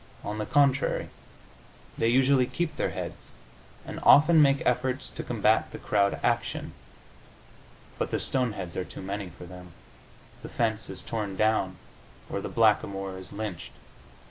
On the contrary, they usually keep their heads, and often make efforts to combat the crowd action. But the stoneheads are too many for them; the fence is torn down or the blackamoor is lynched.